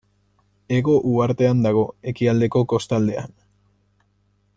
Hego Uhartean dago, ekialdeko kostaldean.